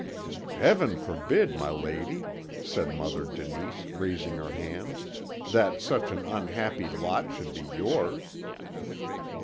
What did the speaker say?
"Heaven forbid, my lady," said Mother Denise, raising her hands, "that such an unhappy lot should be yours!"